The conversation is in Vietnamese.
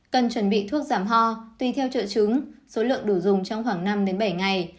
cần chuẩn bị thuốc giảm ho tuy theo trợ chứng số lượng đủ dùng trong khoảng năm bảy ngày